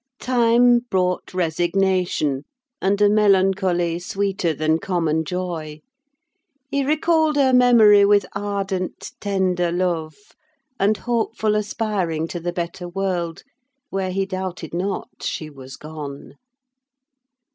Time brought resignation, and a melancholy sweeter than common joy. He recalled her memory with ardent, tender love, and hopeful aspiring to the better world; where he doubted not she was gone.